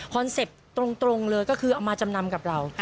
เป็ตตรงเลยก็คือเอามาจำนำกับเรา